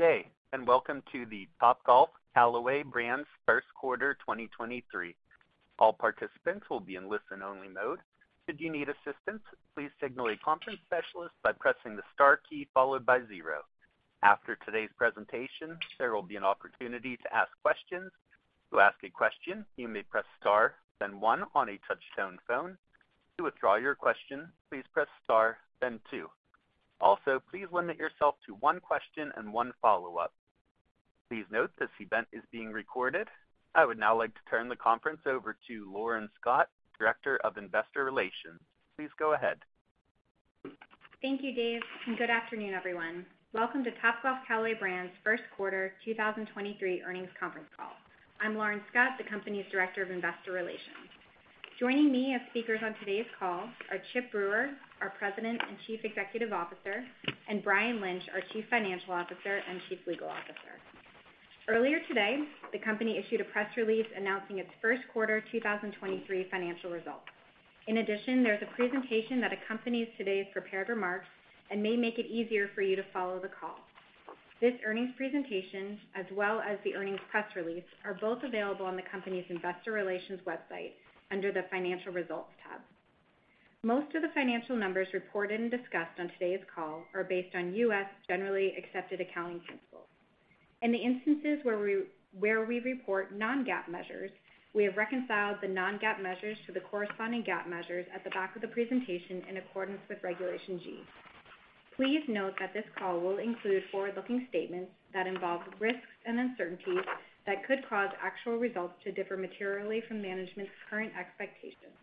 Good day, welcome to the Topgolf Callaway Brands first quarter 2023. All participants will be in listen-only mode. Should you need assistance, please signal a conference specialist by pressing the star key followed by zero. After today's presentation, there will be an opportunity to ask questions. To ask a question, you may press star, then one on a touch-tone phone. To withdraw your question, please press star, then two. Please limit yourself to one question and one follow-up. Please note this event is being recorded. I would now like to turn the conference over to Lauren Scott, Director of Investor Relations. Please go ahead. Thank you, Dave. Good afternoon, everyone. Welcome to Topgolf Callaway Brands' first quarter 2023 earnings conference call. I'm Lauren Scott, the company's Director of Investor Relations. Joining me as speakers on today's call are Chip Brewer, our President and Chief Executive Officer, and Brian Lynch, our Chief Financial Officer and Chief Legal Officer. Earlier today, the company issued a press release announcing its first quarter 2023 financial results. In addition, there's a presentation that accompanies today's prepared remarks and may make it easier for you to follow the call. This earnings presentation, as well as the earnings press release, are both available on the company's investor relations website under the Financial Results tab. Most of the financial numbers reported and discussed on today's call are based on U.S. generally accepted accounting principles. In the instances where we report non-GAAP measures, we have reconciled the non-GAAP measures to the corresponding GAAP measures at the back of the presentation in accordance with Regulation G. Please note that this call will include forward-looking statements that involve risks and uncertainties that could cause actual results to differ materially from management's current expectations.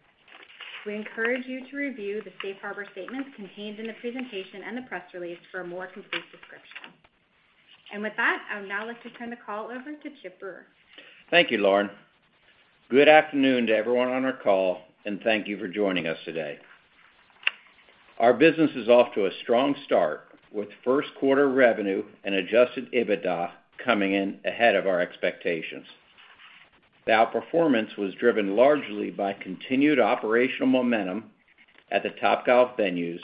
We encourage you to review the safe harbor statements contained in the presentation and the press release for a more complete description. With that, I would now like to turn the call over to Chip Brewer. Thank you, Lauren. Good afternoon to everyone on our call, and thank you for joining us today. Our business is off to a strong start with first quarter revenue and adjusted EBITDA coming in ahead of our expectations. The outperformance was driven largely by continued operational momentum at the Topgolf venues,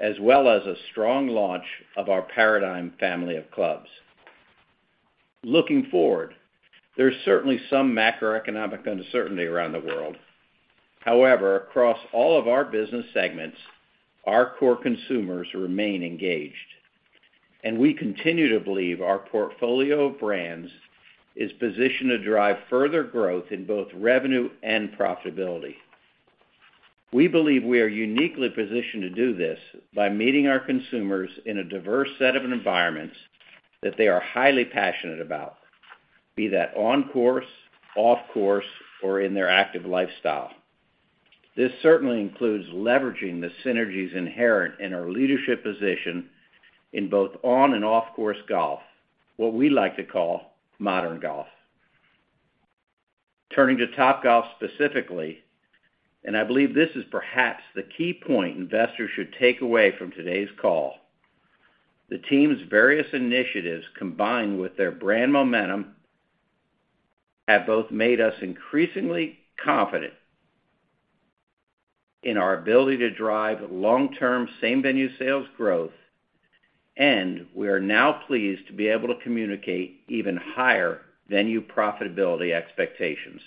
as well as a strong launch of our Paradym family of clubs. Looking forward, there's certainly some macroeconomic uncertainty around the world. Across all of our business segments, our core consumers remain engaged, and we continue to believe our portfolio of brands is positioned to drive further growth in both revenue and profitability. We believe we are uniquely positioned to do this by meeting our consumers in a diverse set of environments that they are highly passionate about, be that on course, off course, or in their active lifestyle. This certainly includes leveraging the synergies inherent in our leadership position in both on and off-course golf, what we like to call Modern Golf. Turning to Topgolf specifically, and I believe this is perhaps the key point investors should take away from today's call, the team's various initiatives, combined with their brand momentum, have both made us increasingly confident in our ability to drive long-term same-venue sales growth, and we are now pleased to be able to communicate even higher venue profitability expectations.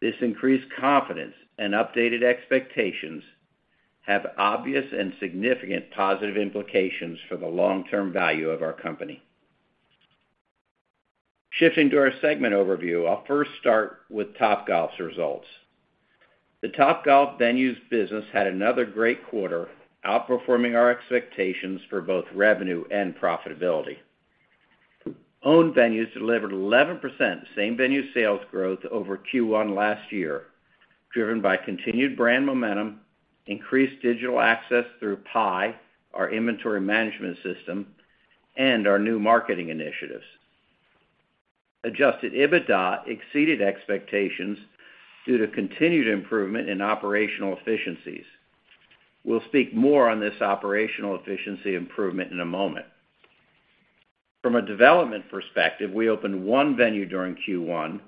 This increased confidence and updated expectations have obvious and significant positive implications for the long-term value of our company. Shifting to our segment overview, I'll first start with Topgolf's results. The Topgolf Venues business had another great quarter, outperforming our expectations for both revenue and profitability. Owned Venues delivered 11% same-venue sales growth over Q1 last year, driven by continued brand momentum, increased digital access through PIE, our inventory management system, and our new marketing initiatives. Adjusted EBITDA exceeded expectations due to continued improvement in operational efficiencies. We'll speak more on this operational efficiency improvement in a moment. From a development perspective, we opened one venue during Q1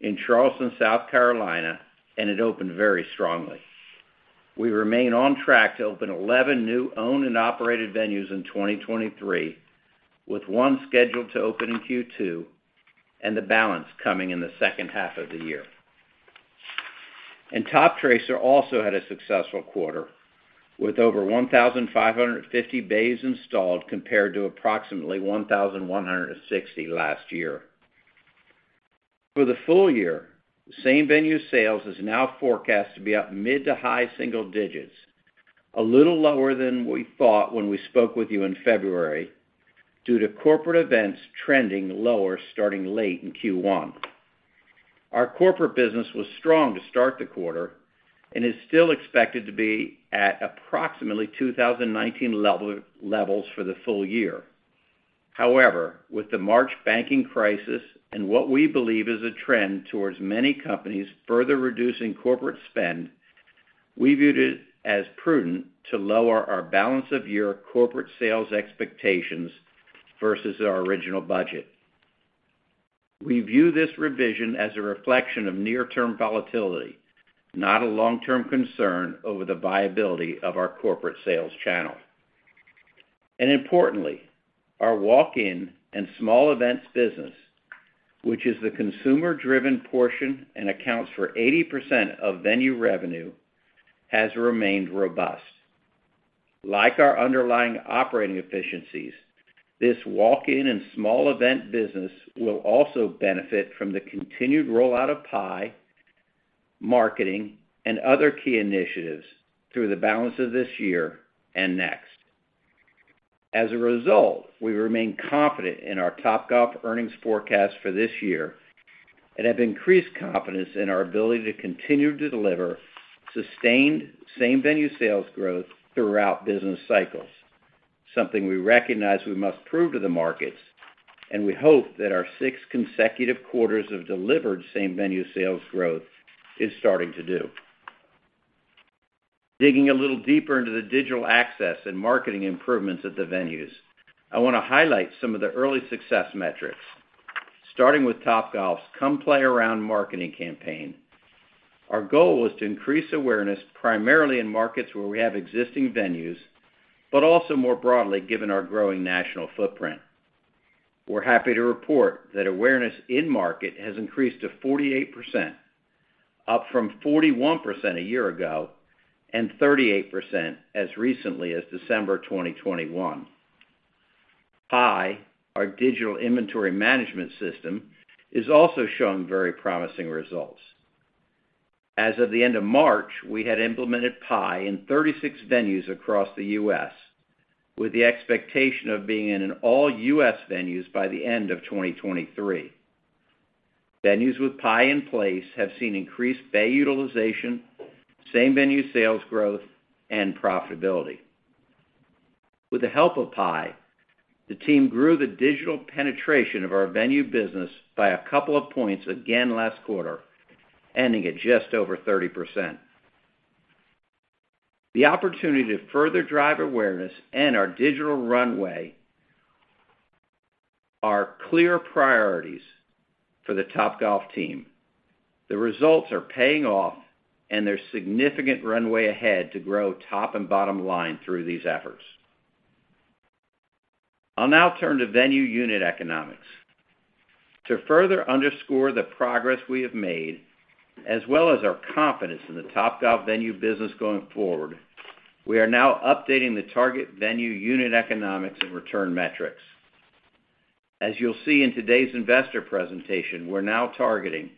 in Charleston, South Carolina, and it opened very strongly. We remain on track to open 11 new owned and operated venues in 2023, with one scheduled to open in Q2, and the balance coming in the second half of the year. Toptracer also had a successful quarter, with over 1,550 bays installed compared to approximately 1,160 last year. For the full year, same-venue sales is now forecast to be up mid to high single digits, a little lower than we thought when we spoke with you in February, due to corporate events trending lower starting late in Q1. Our corporate business was strong to start the quarter and is still expected to be at approximately 2019 levels for the full year. However, with the March banking crisis and what we believe is a trend towards many companies further reducing corporate spend, we viewed it as prudent to lower our balance of year corporate sales expectations versus our original budget. We view this revision as a reflection of near-term volatility, not a long-term concern over the viability of our corporate sales channel. Importantly, our walk-in and small events business, which is the consumer-driven portion and accounts for 80% of venue revenue, has remained robust. Like our underlying operating efficiencies, this walk-in and small event business will also benefit from the continued rollout of PIE, marketing, and other key initiatives through the balance of this year and next. As a result, we remain confident in our Topgolf earnings forecast for this year and have increased confidence in our ability to continue to deliver sustained same-venue sales growth throughout business cycles, something we recognize we must prove to the markets, and we hope that our six consecutive quarters of delivered same-venue sales growth is starting to do. Digging a little deeper into the digital access and marketing improvements at the venues, I want to highlight some of the early success metrics, starting with Topgolf's Come Play Around marketing campaign. Our goal was to increase awareness primarily in markets where we have existing venues, but also more broadly given our growing national footprint. We're happy to report that awareness in market has increased to 48%, up from 41% a year ago and 38% as recently as December 2021. PIE, our digital inventory management system, is also showing very promising results. As of the end of March, we had implemented PIE in 36 venues across the U.S., with the expectation of being in all U.S. venues by the end of 2023. Venues with PIE in place have seen increased bay utilization, same-venue sales growth, and profitability. With the help of PIE, the team grew the digital penetration of our venue business by a couple of points again last quarter, ending at just over 30%. The opportunity to further drive awareness and our digital runway are clear priorities for the Topgolf team. The results are paying off. There's significant runway ahead to grow top and bottom line through these efforts. I'll now turn to venue unit economics. To further underscore the progress we have made, as well as our confidence in the Topgolf venue business going forward, we are now updating the target venue unit economics and return metrics. As you'll see in today's investor presentation, we're now targeting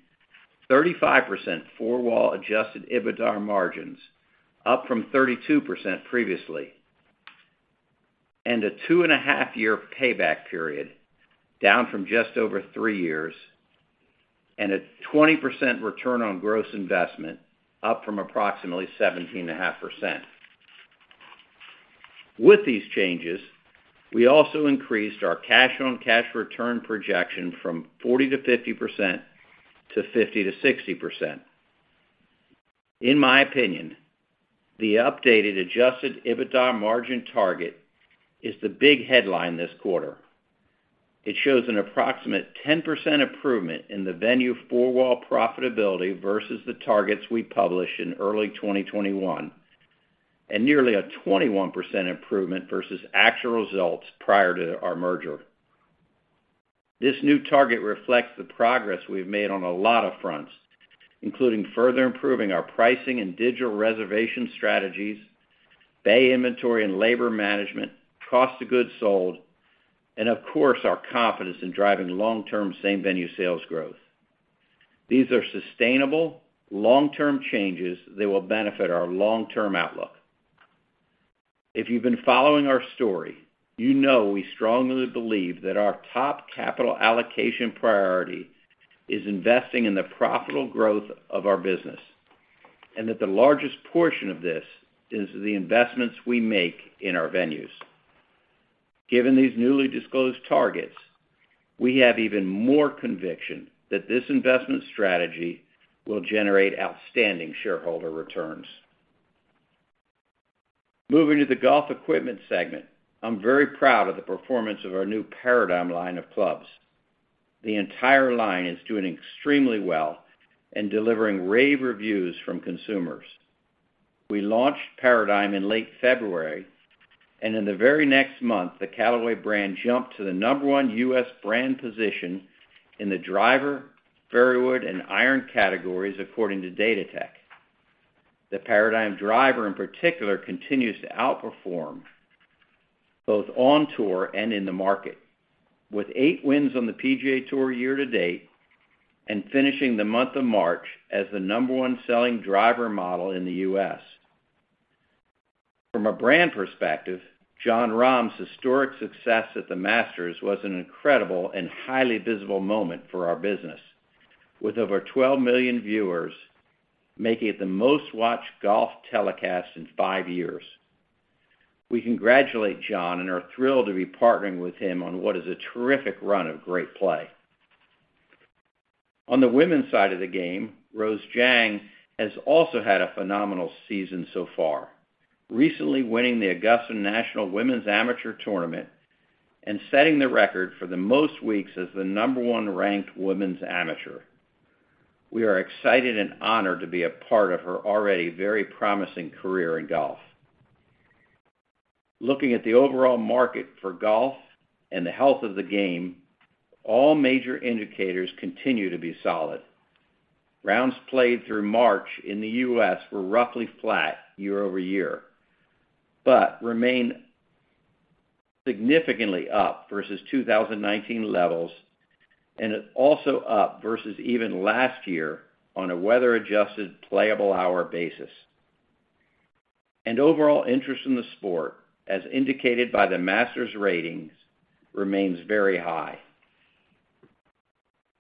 35% four-wall adjusted EBITDA margins, up from 32% previously, and a two-and-a-half-year payback period, down from just over three years, and a 20% return on gross investment, up from approximately 17.5%. With these changes, we also increased our cash-on-cash return projection from 40%-50% to 50%-60%. In my opinion, the updated adjusted EBITDA margin target is the big headline this quarter. It shows an approximate 10% improvement in the venue four-wall profitability versus the targets we published in early 2021, and nearly a 21% improvement versus actual results prior to our merger. This new target reflects the progress we've made on a lot of fronts, including further improving our pricing and digital reservation strategies, bay inventory and labor management, cost of goods sold, and of course, our confidence in driving long-term same-venue sales growth. These are sustainable, long-term changes that will benefit our long-term outlook. If you've been following our story, you know we strongly believe that our top capital allocation priority is investing in the profitable growth of our business, and that the largest portion of this is the investments we make in our venues. Given these newly disclosed targets, we have even more conviction that this investment strategy will generate outstanding shareholder returns. Moving to the Golf Equipment segment, I'm very proud of the performance of our new Paradym line of clubs. The entire line is doing extremely well and delivering rave reviews from consumers. We launched Paradym in late February, and in the very next month, the Callaway brand jumped to the number-one U.S. brand position in the driver, fairway wood, and iron categories, according to Golf Datatech. The Paradym driver in particular continues to outperform both on tour and in the market, with eight wins on the PGA Tour year to date and finishing the month of March as the number-one selling driver model in the U.S. From a brand perspective, Jon Rahm's historic success at the Masters was an incredible and highly visible moment for our business, with over 12 million viewers, making it the most-watched golf telecast in five years. We congratulate Jon and are thrilled to be partnering with him on what is a terrific run of great play. On the women's side of the game, Rose Zhang has also had a phenomenal season so far, recently winning the Augusta National Women's Amateur Tournament and setting the record for the most weeks as the number one-ranked women's amateur. We are excited and honored to be a part of her already very promising career in golf. Looking at the overall market for golf and the health of the game, all major indicators continue to be solid. Rounds played through March in the U.S. were roughly flat year-over-year, but remain significantly up versus 2019 levels, and it also up versus even last year on a weather-adjusted playable hour basis. Overall interest in the sport, as indicated by the Masters ratings, remains very high.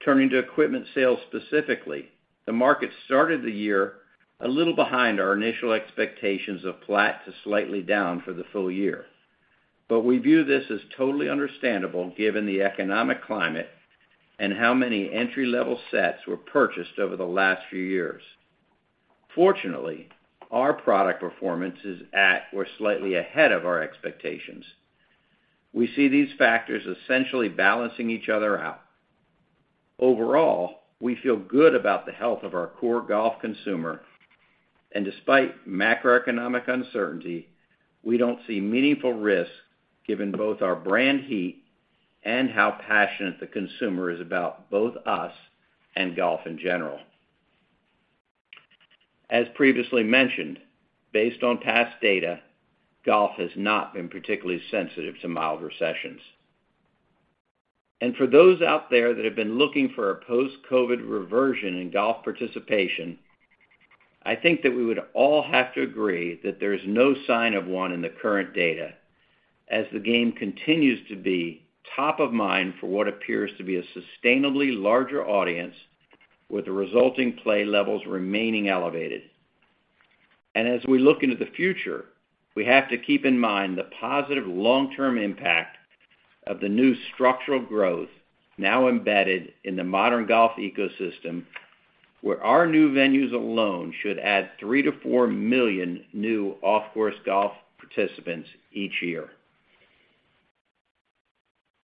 Turning to equipment sales specifically, the market started the year a little behind our initial expectations of flat to slightly down for the full year. We view this as totally understandable given the economic climate and how many entry-level sets were purchased over the last few years. Fortunately, our product performance is at or slightly ahead of our expectations. We see these factors essentially balancing each other out. Overall, we feel good about the health of our core golf consumer. Despite macroeconomic uncertainty, we don't see meaningful risks given both our brand heat and how passionate the consumer is about both us and golf in general. As previously mentioned, based on past data, golf has not been particularly sensitive to mild recessions. For those out there that have been looking for a post-COVID reversion in golf participation, I think that we would all have to agree that there's no sign of one in the current data as the game continues to be top of mind for what appears to be a sustainably larger audience with the resulting play levels remaining elevated. As we look into the future, we have to keep in mind the positive long-term impact of the new structural growth now embedded in the Modern Golf ecosystem, where our new venues alone should add 3 million-4 million new off-course golf participants each year.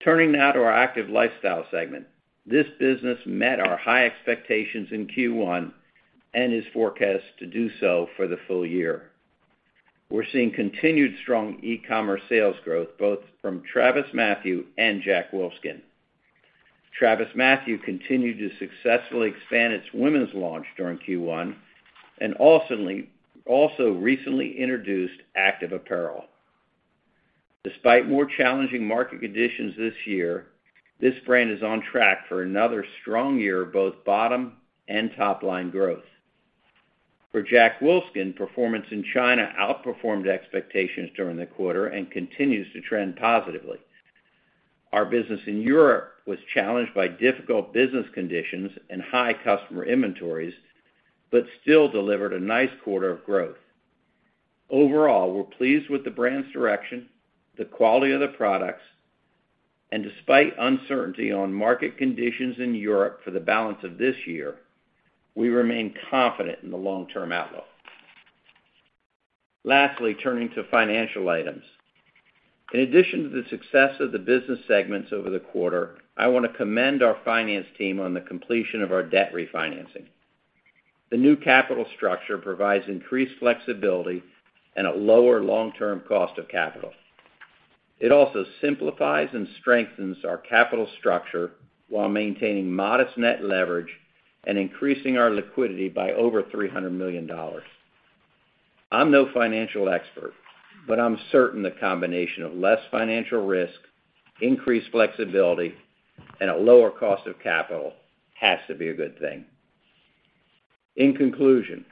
Turning now to our Active Lifestyle segment. This business met our high expectations in Q1 and is forecast to do so for the full year. We're seeing continued strong e-commerce sales growth both from TravisMathew and Jack Wolfskin. TravisMathew continued to successfully expand its women's launch during Q1 and also recently introduced active apparel. Despite more challenging market conditions this year, this brand is on track for another strong year of both bottom and top-line growth. For Jack Wolfskin, performance in China outperformed expectations during the quarter and continues to trend positively. Our business in Europe was challenged by difficult business conditions and high customer inventories, but still delivered a nice quarter of growth. Overall, we're pleased with the brand's direction, the quality of the products, and despite uncertainty on market conditions in Europe for the balance of this year, we remain confident in the long-term outlook. Lastly, turning to financial items. In addition to the success of the business segments over the quarter, I wanna commend our finance team on the completion of our debt refinancing. The new capital structure provides increased flexibility and a lower long-term cost of capital. It also simplifies and strengthens our capital structure while maintaining modest net leverage and increasing our liquidity by over $300 million. I'm no financial expert, but I'm certain the combination of less financial risk, increased flexibility, and a lower cost of capital has to be a good thing. In conclusion,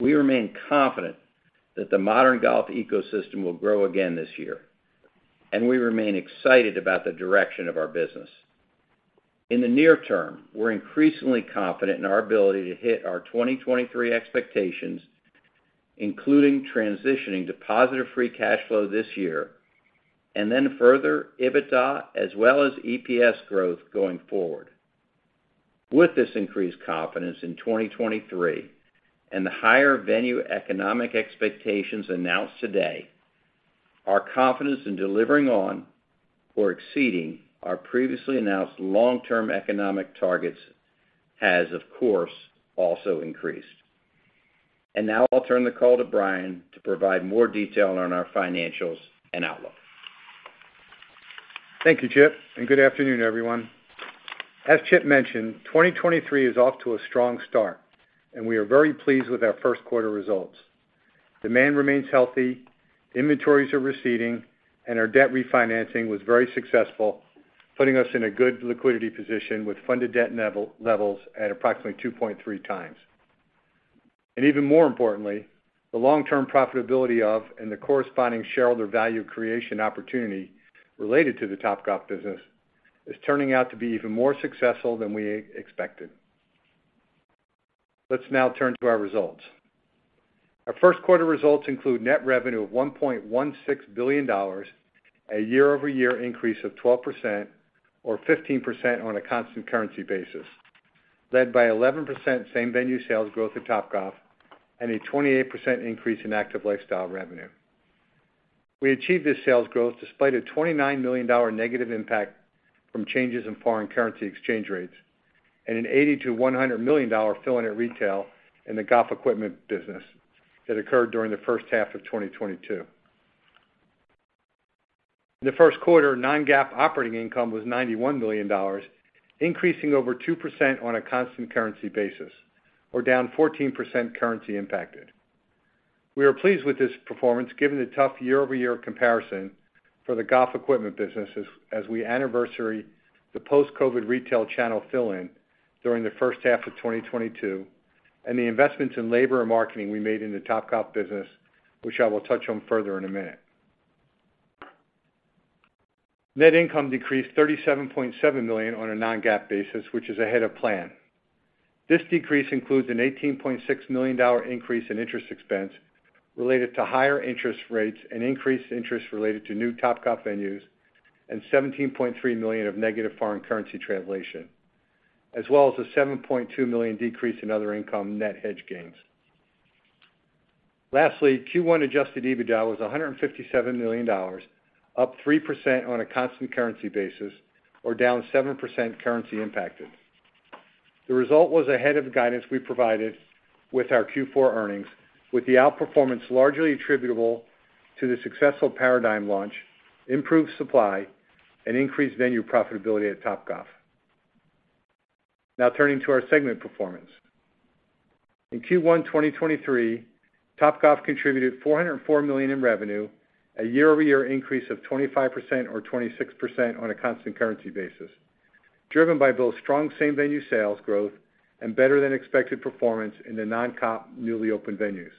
we remain confident that the Modern Golf ecosystem will grow again this year, and we remain excited about the direction of our business. In the near term, we're increasingly confident in our ability to hit our 2023 expectations, including transitioning to positive free cash flow this year, and then further EBITDA as well as EPS growth going forward. With this increased confidence in 2023 and the higher venue economic expectations announced today, our confidence in delivering on or exceeding our previously announced long-term economic targets has, of course, also increased. Now I'll turn the call to Brian to provide more detail on our financials and outlook. Thank you, Chip, and good afternoon, everyone. As Chip mentioned, 2023 is off to a strong start, and we are very pleased with our first quarter results. Demand remains healthy, inventories are receding, and our debt refinancing was very successful, putting us in a good liquidity position with funded debt levels at approximately 2.3x. Even more importantly, the long-term profitability of and the corresponding shareholder value creation opportunity related to the Topgolf business is turning out to be even more successful than we expected. Let's now turn to our results. Our first quarter results include net revenue of $1.16 billion, a year-over-year increase of 12% or 15% on a constant currency basis, led by 11% same-venue sales growth at Topgolf and a 28% increase in Active Lifestyle revenue. We achieved this sales growth despite a $29 million negative impact from changes in foreign currency exchange rates and an $80 million-$100 million fill-in at retail in the Golf Equipment business that occurred during the first half of 2022. In the first quarter, non-GAAP operating income was $91 million, increasing over 2% on a constant currency basis or down 14% currency impacted. We are pleased with this performance given the tough year-over-year comparison for the Golf Equipment businesses as we anniversary the post-COVID retail channel fill-in during the first half of 2022 and the investments in labor and marketing we made in the Topgolf business, which I will touch on further in a minute. Net income decreased $37.7 million on a non-GAAP basis, which is ahead of plan. This decrease includes an $18.6 million increase in interest expense related to higher interest rates and increased interest related to new Topgolf venues and $17.3 million of negative foreign currency translation, as well as a $7.2 million decrease in other income net hedge gains. Lastly, Q1 adjusted EBITDA was $157 million, up 3% on a constant currency basis or down 7% currency impacted. The result was ahead of guidance we provided with our Q4 earnings, with the outperformance largely attributable to the successful Paradym launch, improved supply, and increased venue profitability at Topgolf. Turning to our segment performance. In Q1 2023, Topgolf contributed $404 million in revenue, a year-over-year increase of 25% or 26% on a constant currency basis, driven by both strong same-venue sales growth and better than expected performance in the non-comp newly opened venues.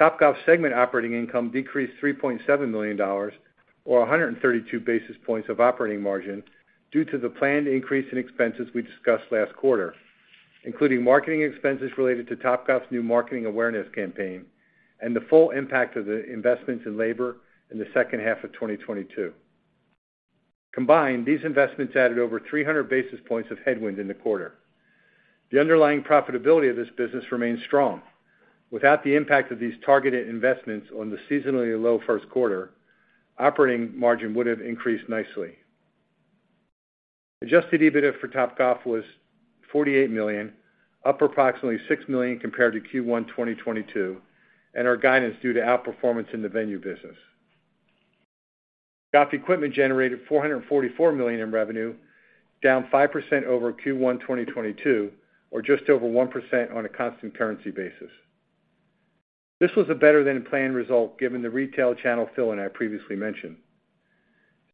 Topgolf segment operating income decreased $3.7 million or 132 basis points of operating margin due to the planned increase in expenses we discussed last quarter, including marketing expenses related to Topgolf's new marketing awareness campaign and the full impact of the investments in labor in the second half of 2022. Combined, these investments added over 300 basis points of headwind in the quarter. The underlying profitability of this business remains strong. Without the impact of these targeted investments on the seasonally low first quarter, operating margin would have increased nicely. Adjusted EBITDA for Topgolf was $48 million, up approximately $6 million compared to Q1 2022 and our guidance due to outperformance in the venue business. Golf equipment generated $444 million in revenue, down 5% over Q1 2022 or just over 1% on a constant currency basis. This was a better than planned result given the retail channel fill-in I previously mentioned.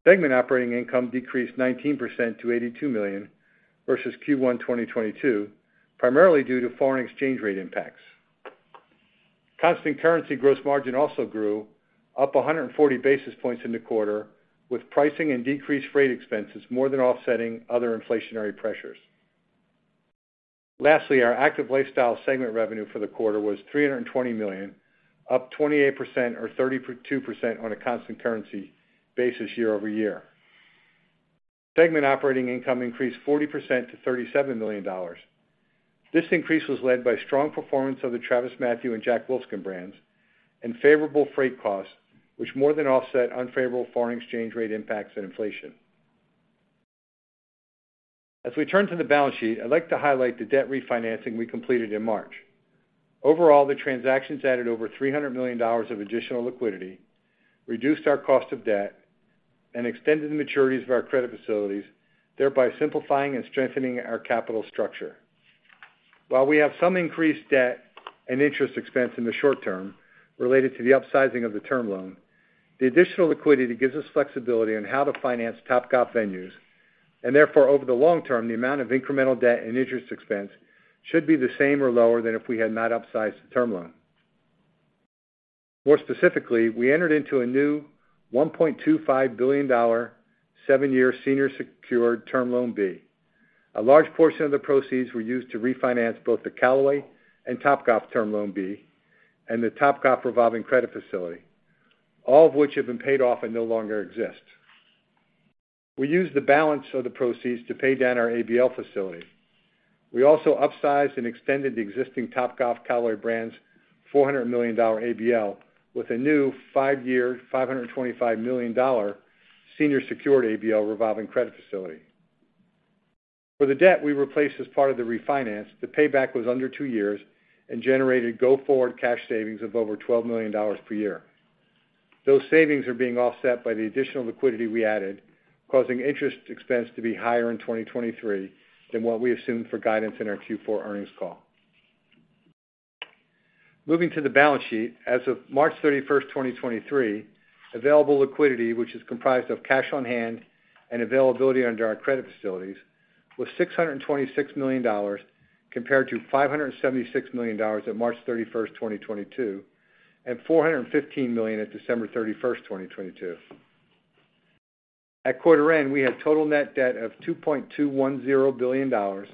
Segment operating income decreased 19% to $82 million versus Q1 2022, primarily due to foreign exchange rate impacts. Constant currency gross margin also grew up 140 basis points in the quarter, with pricing and decreased freight expenses more than offsetting other inflationary pressures. Lastly, our Active Lifestyle segment revenue for the quarter was $320 million, up 28% or 32% on a constant currency basis year-over-year. Segment operating income increased 40% to $37 million. This increase was led by strong performance of the TravisMathew and Jack Wolfskin brands and favorable freight costs, which more than offset unfavorable foreign exchange rate impacts and inflation. As we turn to the balance sheet, I'd like to highlight the debt refinancing we completed in March. Overall, the transactions added over $300 million of additional liquidity, reduced our cost of debt, and extended the maturities of our credit facilities, thereby simplifying and strengthening our capital structure. While we have some increased debt and interest expense in the short term related to the upsizing of the term loan, the additional liquidity gives us flexibility on how to finance Topgolf venues, and therefore, over the long term, the amount of incremental debt and interest expense should be the same or lower than if we had not upsized the term loan. More specifically, we entered into a new $1.25 billion seven-year senior secured Term Loan B. A large portion of the proceeds were used to refinance both the Callaway and Topgolf Term Loan B and the Topgolf revolving credit facility, all of which have been paid off and no longer exist. We used the balance of the proceeds to pay down our ABL facility. We upsized and extended the existing Topgolf Callaway Brands $400 million ABL with a new five-year, $525 million senior secured ABL revolving credit facility. For the debt we replaced as part of the refinance, the payback was under two years and generated go-forward cash savings of over $12 million per year. Those savings are being offset by the additional liquidity we added, causing interest expense to be higher in 2023 than what we assumed for guidance in our Q4 earnings call. Moving to the balance sheet, as of March 31st, 2023, available liquidity, which is comprised of cash on hand and availability under our credit facilities, was $626 million compared to $576 million at March 31st, 2022, and $415 million at December 31st, 2022. At quarter end, we had total net debt of $2.210 billion,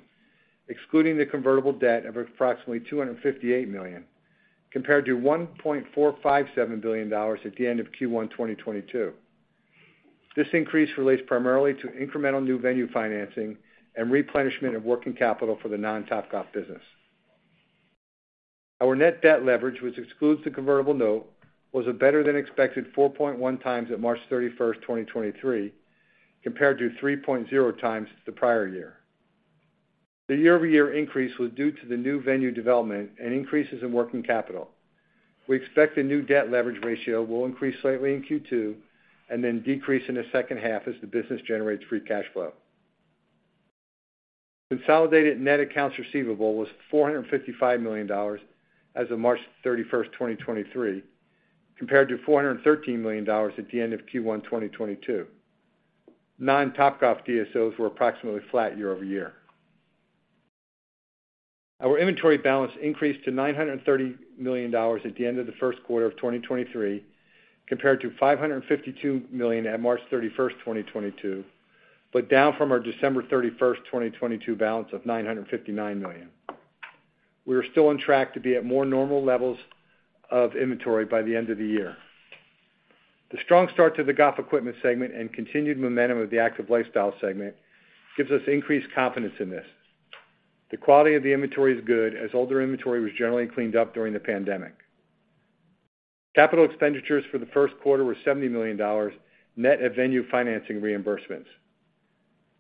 excluding the convertible debt of approximately $258 million, compared to $1.457 billion at the end of Q1 2022. This increase relates primarily to incremental new venue financing and replenishment of working capital for the non-Topgolf business. Our net debt leverage, which excludes the convertible note, was a better-than-expected 4.1x at March 31st, 2023, compared to 3.0x the prior year. The year-over-year increase was due to the new venue development and increases in working capital. We expect the new debt leverage ratio will increase slightly in Q2, and then decrease in the second half as the business generates free cash flow. Consolidated net accounts receivable was $455 million as of March 31st, 2023, compared to $413 million at the end of Q1 2022. Non-Topgolf DSOs were approximately flat year-over-year. Our inventory balance increased to $930 million at the end of the first quarter of 2023, compared to $552 million at March 31st, 2022, but down from our December 31st, 2022 balance of $959 million. We are still on track to be at more normal levels of inventory by the end of the year. The strong start to the Golf Equipment segment and continued momentum of the Active Lifestyle segment gives us increased confidence in this. The quality of the inventory is good, as older inventory was generally cleaned up during the pandemic. Capital expenditures for the first quarter were $70 million, net of venue financing reimbursements.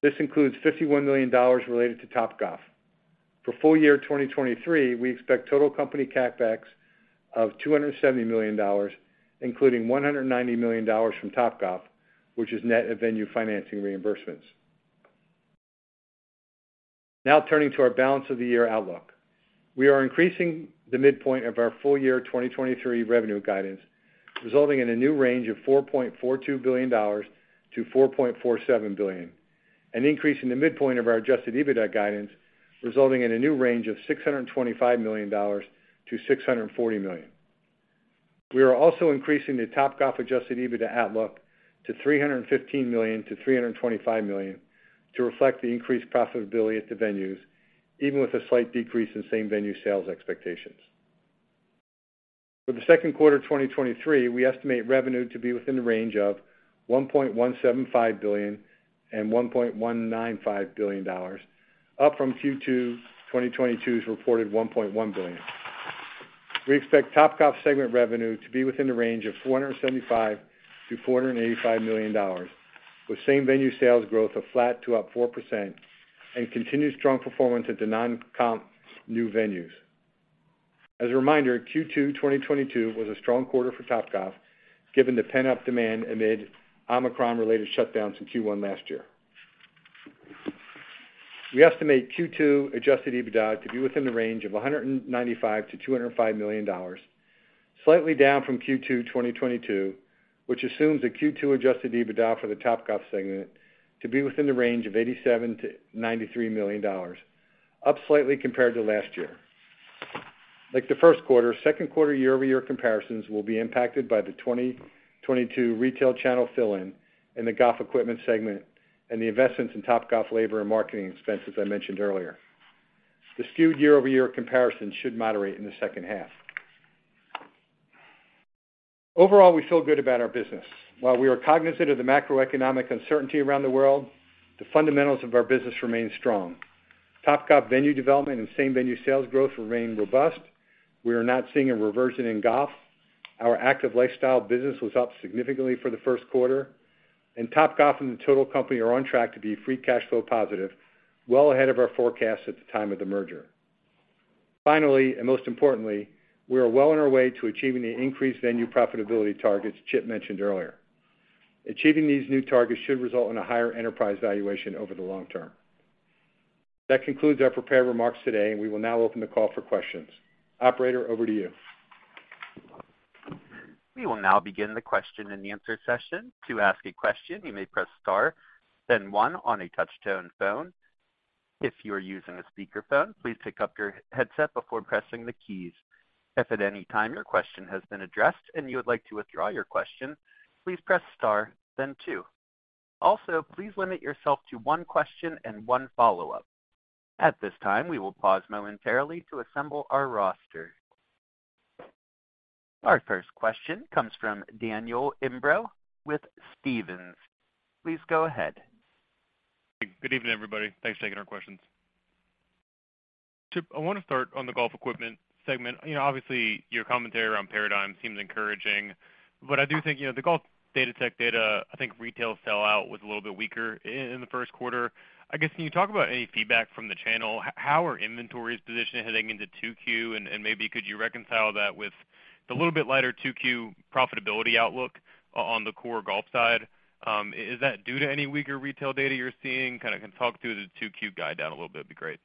This includes $51 million related to Topgolf. For full year 2023, we expect total company CapEx of $270 million, including $190 million from Topgolf, which is net of venue financing reimbursements. Turning to our balance of the year outlook. We are increasing the midpoint of our full year 2023 revenue guidance, resulting in a new range of $4.42 billion-$4.47 billion, an increase in the midpoint of our adjusted EBITDA guidance, resulting in a new range of $625 million-$640 million. We are also increasing the Topgolf adjusted EBITDA outlook to $315 million-$325 million to reflect the increased profitability at the venues, even with a slight decrease in same-venue sales expectations. For the second quarter 2023, we estimate revenue to be within the range of $1.175 billion and $1.195 billion, up from Q2 2022's reported $1.1 billion. We expect Topgolf segment revenue to be within the range of $475 million-$485 million, with same-venue sales growth of flat to up 4% and continued strong performance at the non-comp new venues. As a reminder, Q2 2022 was a strong quarter for Topgolf, given the pent-up demand amid Omicron-related shutdowns in Q1 last year. We estimate Q2 adjusted EBITDA to be within the range of $195 million-$205 million, slightly down from Q2 2022, which assumes a Q2 adjusted EBITDA for the Topgolf segment to be within the range of $87 million-$93 million, up slightly compared to last year. The first quarter, second quarter year-over-year comparisons will be impacted by the 2022 retail channel fill-in in the Golf Equipment segment and the investments in Topgolf labor and marketing expenses I mentioned earlier. The skewed year-over-year comparison should moderate in the second half. Overall, we feel good about our business. While we are cognizant of the macroeconomic uncertainty around the world, the fundamentals of our business remain strong. Topgolf venue development and same-venue sales growth remain robust. We are not seeing a reversion in golf. Our Active Lifestyle business was up significantly for the first quarter, and Topgolf and the total company are on track to be free cash flow positive well ahead of our forecast at the time of the merger. Finally, and most importantly, we are well on our way to achieving the increased venue profitability targets Chip mentioned earlier. Achieving these new targets should result in a higher enterprise valuation over the long term. That concludes our prepared remarks today. We will now open the call for questions. Operator, over to you. We will now begin the question and answer session. To ask a question, you may press star then one on a touch-tone phone. If you are using a speakerphone, please pick up your headset before pressing the keys. If at any time your question has been addressed and you would like to withdraw your question, please press star then two. Also, please limit yourself to one question and one follow-up. At this time, we will pause momentarily to assemble our roster. Our first question comes from Daniel Imbro with Stephens. Please go ahead. Good evening, everybody. Thanks for taking our questions. Chip, I wanna start on the Golf Equipment segment. You know, obviously, your commentary around Paradym seems encouraging, but I do think, you know, the Golf Datatech data, I think retail sell out was a little bit weaker in the first quarter. I guess, can you talk about any feedback from the channel? How are inventories positioned heading into 2Q? Maybe could you reconcile that with the little bit lighter 2Q profitability outlook on the core golf side? Is that due to any weaker retail data you're seeing? Kinda can talk through the 2Q guide down a little bit would be great.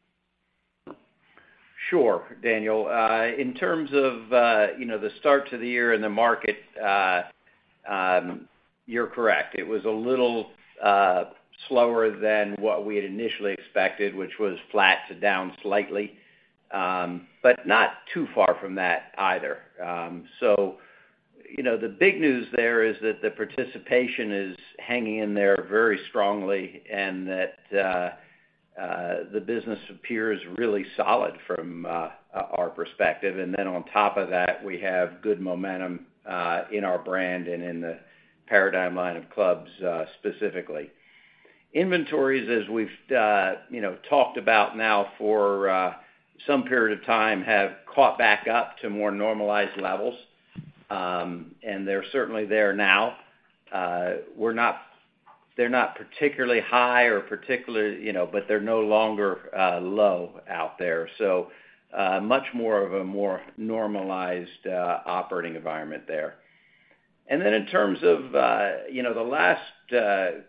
Sure, Daniel. In terms of, you know, the start to the year and the market, you're correct. Slower than what we had initially expected, which was flat to down slightly, not too far from that either. You know, the big news there is that the participation is hanging in there very strongly and that the business appears really solid from our perspective. On top of that, we have good momentum in our brand and in the Paradym line of clubs specifically. Inventories, as we've, you know, talked about now for some period of time, have caught back up to more normalized levels, they're certainly there now. They're not particularly high or particularly, you know, they're no longer low out there, much more of a more normalized operating environment there. In terms of, you know, the last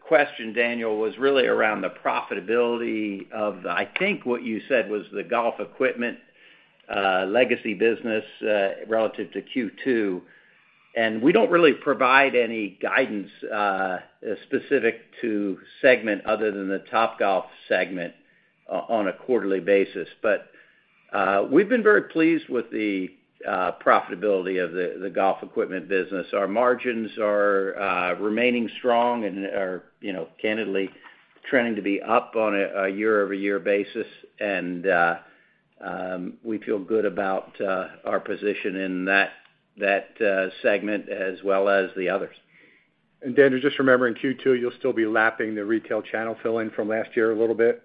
question, Daniel, was really around the profitability of the I think what you said was the Golf Equipment legacy business relative to Q2. We don't really provide any guidance specific to segment other than the Topgolf segment on a quarterly basis. We've been very pleased with the profitability of the Golf Equipment business. Our margins are remaining strong and are, you know, candidly trending to be up on a year-over-year basis, and we feel good about our position in that segment as well as the others. Daniel, just remember, in Q2, you'll still be lapping the retail channel fill-in from last year a little bit,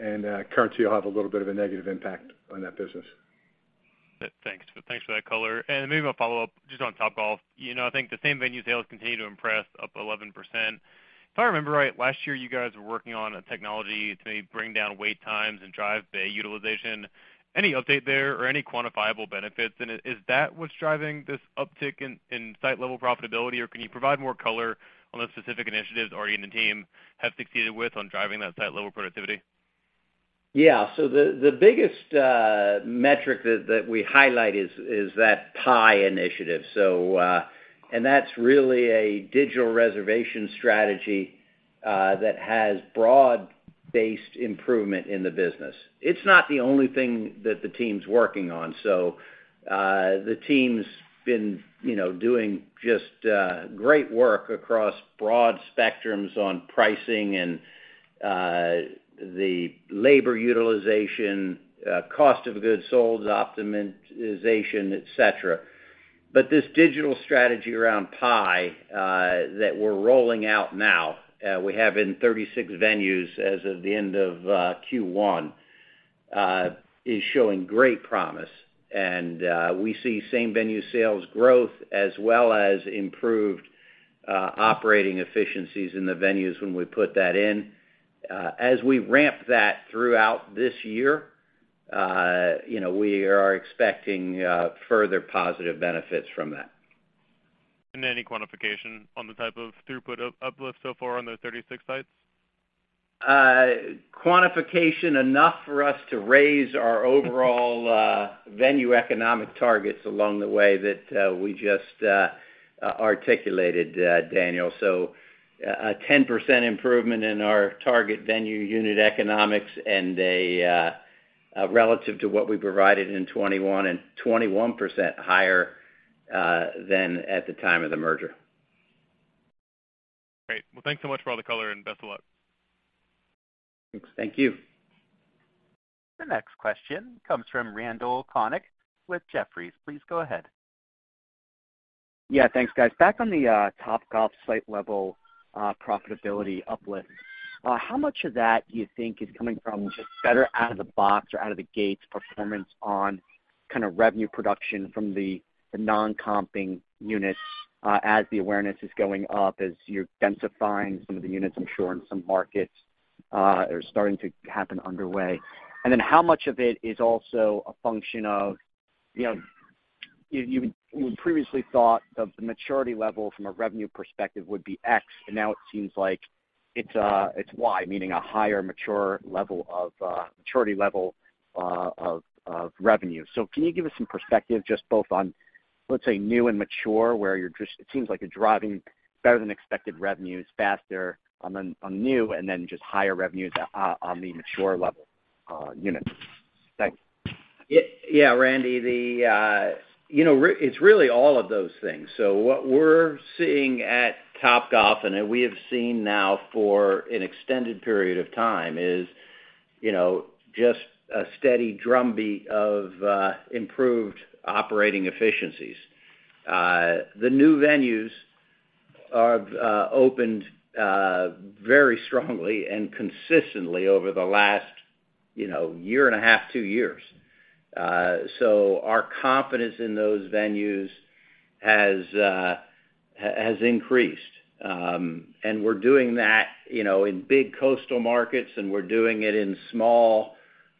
and currency will have a little bit of a negative impact on that business. Thanks. Thanks for that color. Maybe I'll follow up just on Topgolf. You know, I think the same-venue sales continue to impress, up 11%. If I remember right, last year you guys were working on a technology to bring down wait times and drive bay utilization. Any update there or any quantifiable benefits? Is that what's driving this uptick in site-level profitability, or can you provide more color on the specific initiatives you and the team have succeeded with on driving that site-level productivity? Yeah. The biggest metric that we highlight is that PIE initiative. That's really a digital reservation strategy that has broad-based improvement in the business. It's not the only thing that the team's working on. The team's been, you know, doing just great work across broad spectrums on pricing and the labor utilization, cost of goods sold, optimization, et cetera. This digital strategy around PIE that we're rolling out now, we have in 36 venues as of the end of Q1, is showing great promise. We see same-venue sales growth as well as improved operating efficiencies in the venues when we put that in. As we ramp that throughout this year, you know, we are expecting further positive benefits from that. Any quantification on the type of throughput uplift so far on those 36 sites? Quantification enough for us to raise our overall venue economic targets along the way that we just articulated, Daniel. A 10% improvement in our target venue unit economics and a relative to what we provided in 2021, and 21% higher than at the time of the merger. Great. Well, thanks so much for all the color. Best of luck. Thanks. Thank you. The next question comes from Randal Konik with Jefferies. Please go ahead. Yeah. Thanks, guys. Back on the Topgolf site-level profitability uplift, how much of that do you think is coming from just better out-of-the-box or out-of-the-gates performance on kind of revenue production from the non-comping units, as the awareness is going up, as you're densifying some of the units, I'm sure, in some markets, are starting to happen underway? How much of it is also a function of, you know, you previously thought the maturity level from a revenue perspective would be X, and now it seems like it's Y, meaning a higher mature level of maturity level of revenue? Can you give us some perspective both on, let's say, new and mature, where it seems like you're driving better than expected revenues faster on the new and then just higher revenues on the mature level, units. Thanks. Yeah, Randy. The, you know, it's really all of those things. What we're seeing at Topgolf, and we have seen now for an extended period of time, is, you know, just a steady drumbeat of improved operating efficiencies. The new venues have opened very strongly and consistently over the last, you know, year and a half, two years. Our confidence in those venues has increased. We're doing that, you know, in big coastal markets, and we're doing it in small,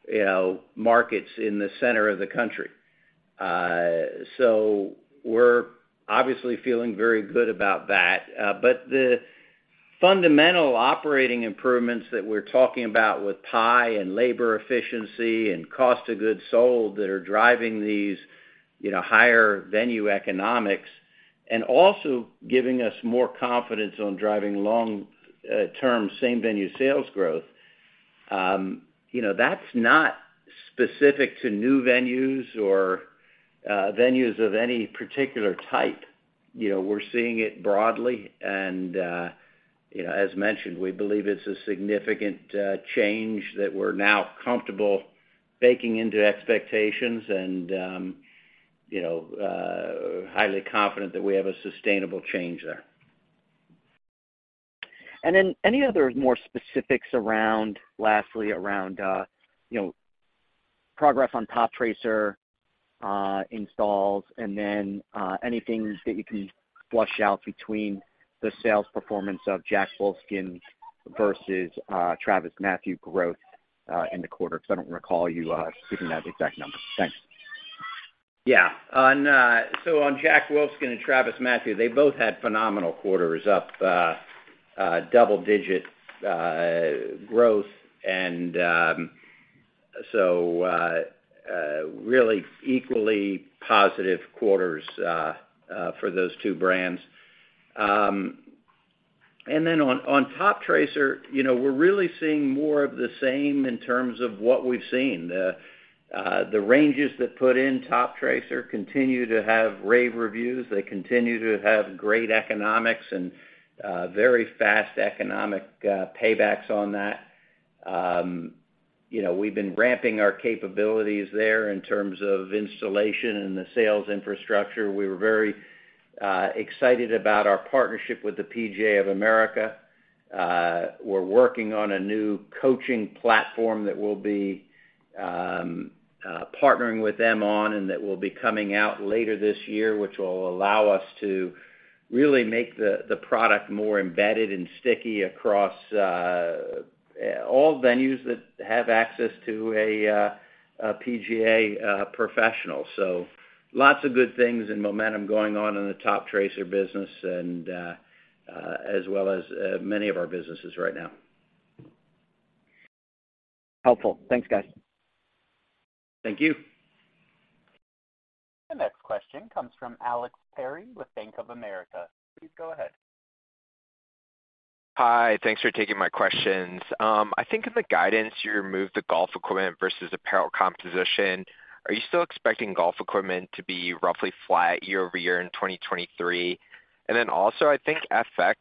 you know, markets in the center of the country. We're obviously feeling very good about that. The fundamental operating improvements that we're talking about with PIE and labor efficiency and cost of goods sold that are driving these, you know, higher venue economics. Also giving us more confidence on driving long-term same-venue sales growth. You know, that's not specific to new venues or venues of any particular type. You know, we're seeing it broadly and, you know, as mentioned, we believe it's a significant change that we're now comfortable baking into expectations and, you know, highly confident that we have a sustainable change there. Any other more specifics around, lastly around progress on Toptracer installs and then anything that you can flush out between the sales performance of Jack Wolfskin versus TravisMathew growth in the quarter? I don't recall you giving that exact number. Thanks. On Jack Wolfskin and TravisMathew, they both had phenomenal quarters, up double-digit growth and really equally positive quarters for those two brands. Then on Toptracer, you know, we're really seeing more of the same in terms of what we've seen. The ranges that put in Toptracer continue to have rave reviews. They continue to have great economics and very fast economic paybacks on that. You know, we've been ramping our capabilities there in terms of installation and the sales infrastructure. We were very excited about our partnership with the PGA of America. We're working on a new coaching platform that we'll be partnering with them on, that will be coming out later this year, which will allow us to really make the product more embedded and sticky across all venues that have access to a PGA professional. Lots of good things and momentum going on in the Toptracer business as well as many of our businesses right now. Helpful. Thanks, guys. Thank you. The next question comes from Alex Perry with Bank of America. Please go ahead. Hi. Thanks for taking my questions. I think in the guidance, you removed the Golf Equipment versus apparel composition. Are you still expecting Golf Equipment to be roughly flat year-over-year in 2023? I think FX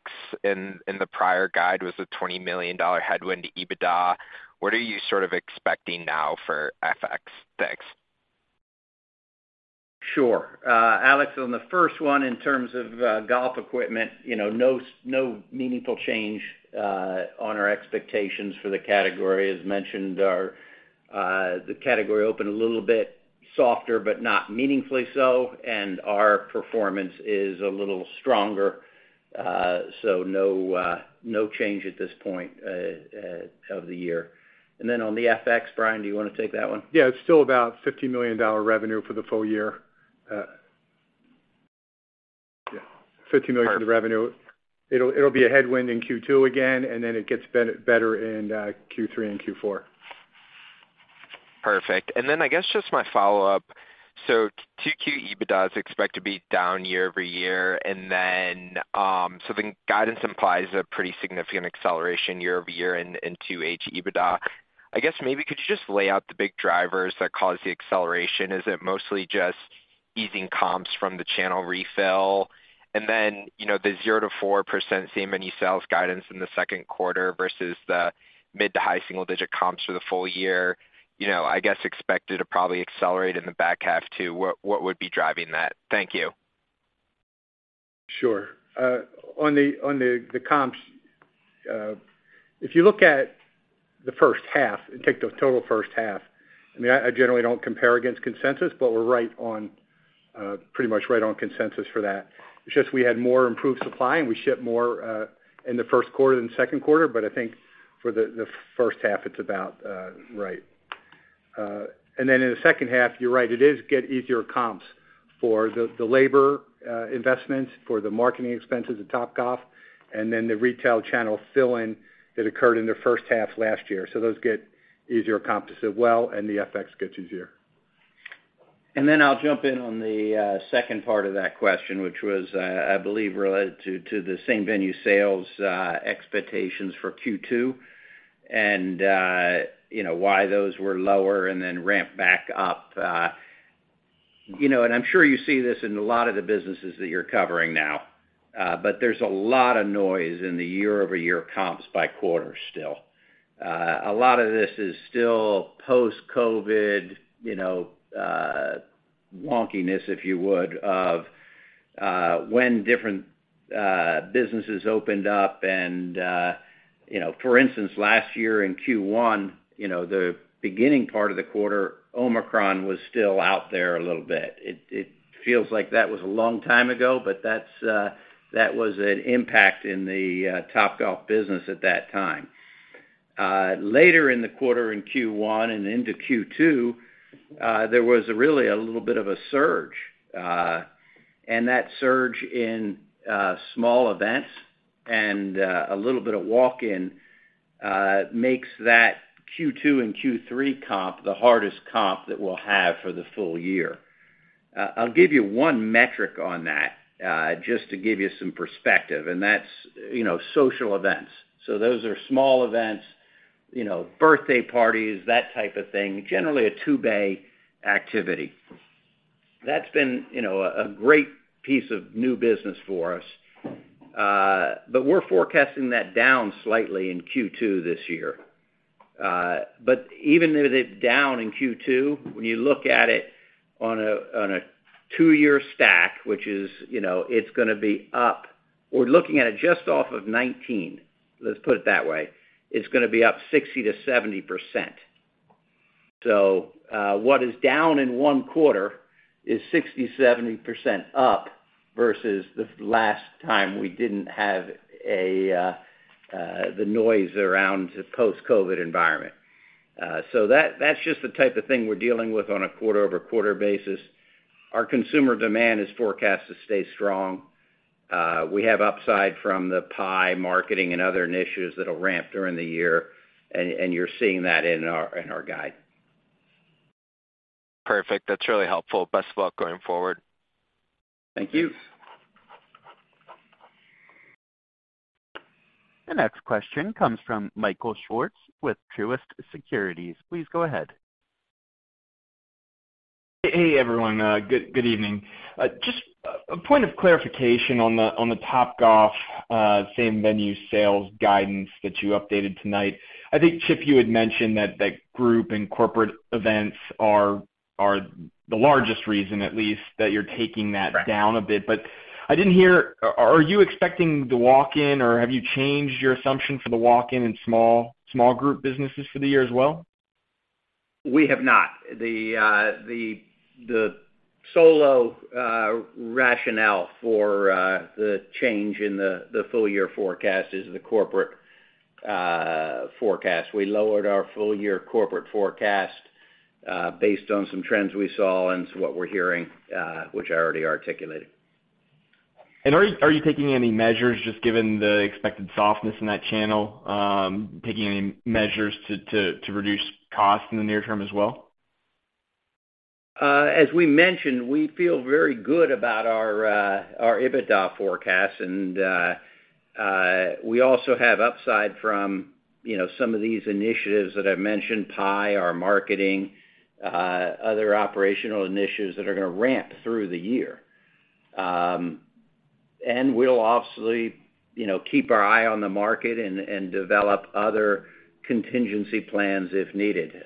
in the prior guide was a $20 million headwind to EBITDA. What are you sort of expecting now for FX? Thanks. Sure. Alex, on the first one in terms of Golf Equipment, you know, no meaningful change on our expectations for the category. As mentioned our the category opened a little bit softer, but not meaningfully so, and our performance is a little stronger. So no change at this point of the year. On the FX, Brian, do you wanna take that one? It's still about $50 million revenue for the full year. $50 million for the revenue. It'll be a headwind in Q2 again, and then it gets better in Q3 and Q4. Perfect. I guess just my follow-up: 2Q EBITDA is expected to be down year-over-year, the guidance implies a pretty significant acceleration year-over-year in 2H EBITDA. I guess maybe could you just lay out the big drivers that caused the acceleration? Is it mostly just easing comps from the channel refill? You know, the 0%-4% same-venue sales guidance in the second quarter versus the mid to high single digit comps for the full year, you know, I guess expected to probably accelerate in the back half too. What would be driving that? Thank you. Sure. On the comps, if you look at the first half and take the total first half, I mean, I generally don't compare against consensus, but we're right on pretty much right on consensus for that. It's just we had more improved supply, and we shipped more in the first quarter than the second quarter, but I think for the first half it's about right. In the second half, you're right, it is get easier comps for the labor investments, for the marketing expenses at Topgolf, and then the retail channel fill-in that occurred in the first half last year. Those get easier comps as well, and the FX gets easier. Then I'll jump in on the second part of that question, which was, I believe related to the same-venue sales expectations for Q2 and, you know, why those were lower and then ramp back up. You know, I'm sure you see this in a lot of the businesses that you're covering now, but there's a lot of noise in the year-over-year comps by quarter still. A lot of this is still post-COVID, you know, wonkiness, if you would, of when different businesses opened up. You know, for instance, last year in Q1, you know, the beginning part of the quarter, Omicron was still out there a little bit. It feels like that was a long time ago, but that's that was an impact in the Topgolf business at that time. Later in the quarter in Q1 and into Q2, there was really a little bit of a surge, and that surge in small events. A little bit of walk-in makes that Q2 and Q3 comp the hardest comp that we'll have for the full year. I'll give you one metric on that just to give you some perspective, and that's, you know, social events. Those are small events, you know, birthday parties, that type of thing, generally a two-bay activity. That's been, you know, a great piece of new business for us. We're forecasting that down slightly in Q2 this year. Even with it down in Q2, when you look at it on a two-year stack, which is, you know, it's gonna be up... We're looking at it just off of $19, let's put it that way, it's gonna be up 60%-70%. What is down in one quarter is 60%, 70% up versus the last time we didn't have the noise around the post-COVID environment. That's just the type of thing we're dealing with on a quarter-over-quarter basis. Our consumer demand is forecast to stay strong. We have upside from the PIE marketing and other initiatives that'll ramp during the year and you're seeing that in our guide. Perfect. That's really helpful. Best of luck going forward. Thank you. The next question comes from Michael Swartz with Truist Securities. Please go ahead. Hey, everyone. good evening. just a point of clarification on the Topgolf same-venue sales guidance that you updated tonight. I think, Chip, you had mentioned that group and corporate events are the largest reason, at least, that you're taking that. Right. down a bit. I didn't hear, are you expecting the walk-in, or have you changed your assumption for the walk-in and small group businesses for the year as well? We have not. The solo rationale for the change in the full year forecast is the corporate forecast. We lowered our full year corporate forecast based on some trends we saw and what we're hearing, which I already articulated. Are you taking any measures, just given the expected softness in that channel, taking any measures to reduce costs in the near term as well? As we mentioned, we feel very good about our EBITDA forecast. We also have upside from, you know, some of these initiatives that I've mentioned, PIE, our marketing, other operational initiatives that are gonna ramp through the year. We'll obviously, you know, keep our eye on the market and develop other contingency plans if needed.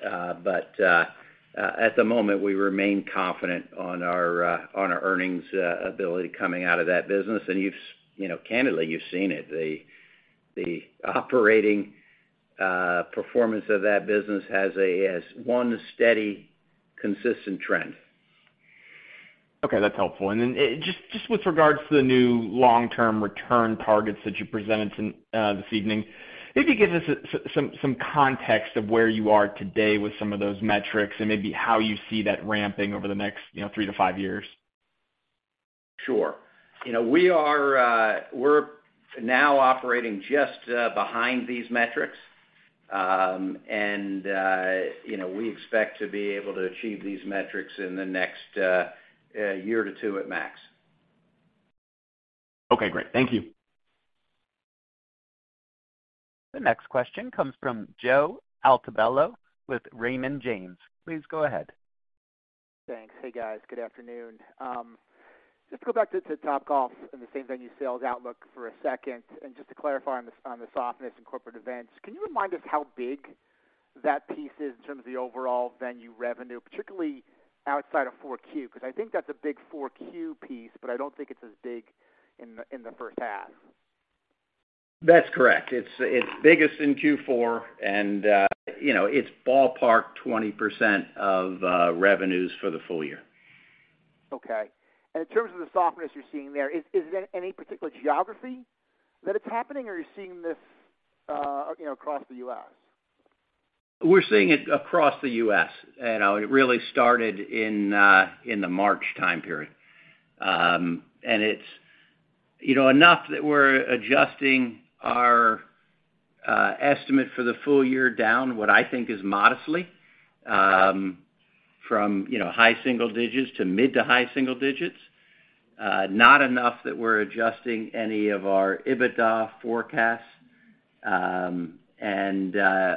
At the moment, we remain confident on our earnings ability coming out of that business. You know, candidly, you've seen it. The operating performance of that business has one steady, consistent trend. Okay, that's helpful. Just with regards to the new long-term return targets that you presented this evening, maybe give us some context of where you are today with some of those metrics and maybe how you see that ramping over the next, you know, three-five years. Sure. You know, we are, we're now operating just, behind these metrics. You know, we expect to be able to achieve these metrics in the next, year to two at max. Okay, great. Thank you. The next question comes from Joe Altobello with Raymond James. Please go ahead. Thanks. Hey, guys. Good afternoon. Just go back to Topgolf and the same-venue sales outlook for a second, and just to clarify on the softness in corporate events. Can you remind us how big that piece is in terms of the overall venue revenue, particularly outside of 4Q? I think that's a big 4Q piece, but I don't think it's as big in the first half. That's correct. It's biggest in Q4 and, you know, it's ballpark 20% of revenues for the full year. Okay. In terms of the softness you're seeing there, is it any particular geography that it's happening, or are you seeing this, you know, across the U.S.? We're seeing it across the US, and it really started in the March time period. It's, you know, enough that we're adjusting our estimate for the full year down, what I think is modestly, from, you know, high single digits to mid to high single digits. Not enough that we're adjusting any of our EBITDA forecasts.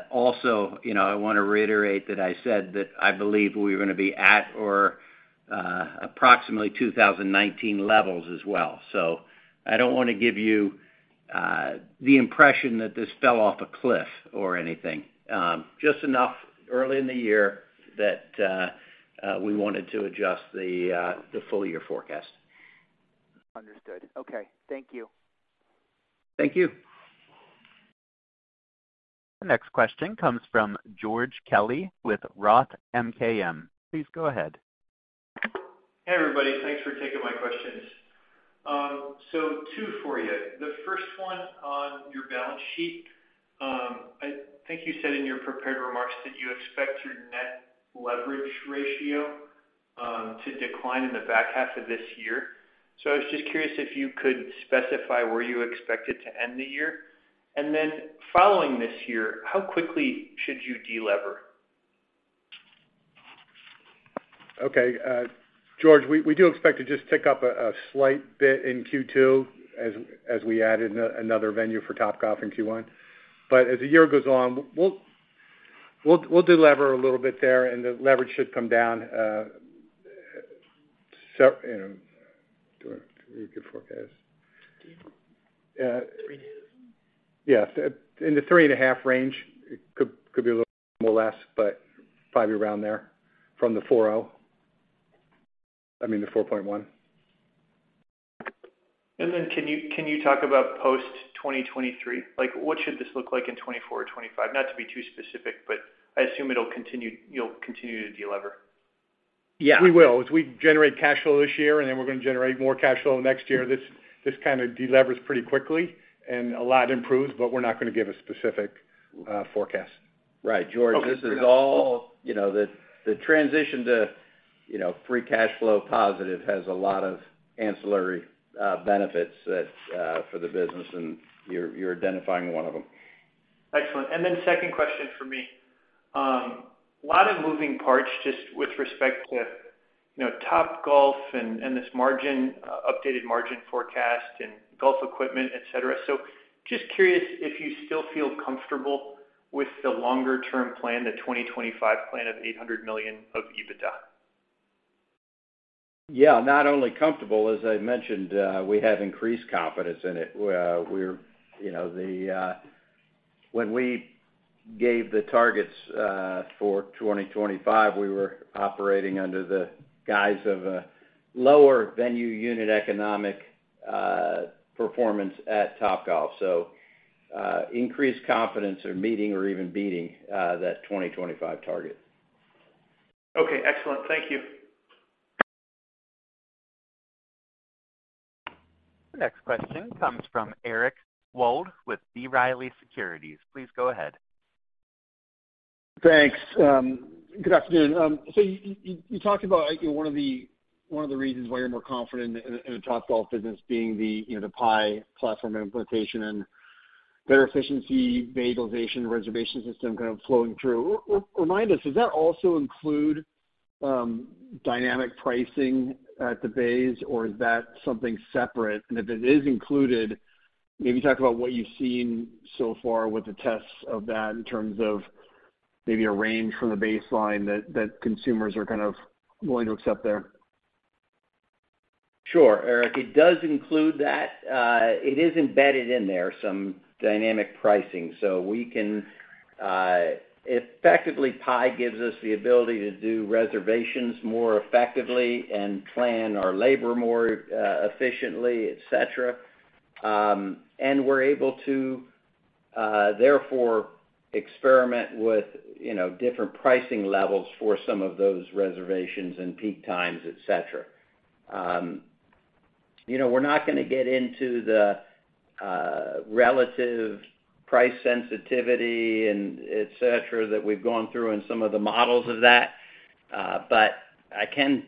Also, you know, I wanna reiterate that I said that I believe we're gonna be at or approximately 2019 levels as well. I don't wanna give you the impression that this fell off a cliff or anything. Just enough early in the year that we wanted to adjust the full year forecast. Understood. Okay. Thank you. Thank you. The next question comes from George Kelly with Roth MKM. Please go ahead. Hey, everybody. Thanks for taking my questions. Two for you. The first one on your balance sheet I think you said in your prepared remarks that you expect your net leverage ratio to decline in the back half of this year. I was just curious if you could specify where you expect it to end the year. Following this year, how quickly should you delever? Okay. George, we do expect to just tick up a slight bit in Q2 as we add another venue for Topgolf in Q1. As the year goes on, we'll delever a little bit there, and the leverage should come down, you know, do a good forecast. 3.5. Yeah. In the 3.5 range. It could be a little more or less, but probably be around there from the 4.0, I mean, the 4.1. Can you talk about post 2023? Like, what should this look like in 2024 or 2025? Not to be too specific, but I assume you'll continue to delever. Yeah. We will. As we generate cash flow this year, and then we're going to generate more cash flow next year, this kind of delevers pretty quickly and a lot improves, but we're not going to give a specific forecast. Right. George, this is all, you know, the transition to, you know, free cash flow positive has a lot of ancillary benefits that for the business, and you're identifying one of them. Excellent. Second question for me. A lot of moving parts just with respect to, you know, Topgolf and this margin, updated margin forecast and Golf Equipment, et cetera. Just curious if you still feel comfortable with the longer-term plan, the 2025 plan of $800 million of EBITDA. Yeah. Not only comfortable, as I mentioned, we have increased confidence in it. We're, you know, when we gave the targets for 2025, we were operating under the guise of a lower venue unit economic performance at Topgolf. Increased confidence are meeting or even beating that 2025 target. Okay. Excellent. Thank you. The next question comes from Eric Wold with B. Riley Securities. Please go ahead. Thanks. Good afternoon. You talked about, you know, one of the reasons why you're more confident in the Topgolf business being the, you know, the PIE platform implementation and their efficiency, bay utilization reservation system kind of flowing through. Remind us, does that also include dynamic pricing at the bays, or is that something separate? If it is included, maybe talk about what you've seen so far with the tests of that in terms of maybe a range from the baseline that consumers are kind of willing to accept there. Sure, Eric. It does include that. It is embedded in there, some dynamic pricing. We can effectively, PIE gives us the ability to do reservations more effectively and plan our labor more efficiently, et cetera. We're able to, therefore experiment with, you know, different pricing levels for some of those reservations and peak times, et cetera. You know, we're not gonna get into the relative price sensitivity and et cetera that we've gone through and some of the models of that. I can,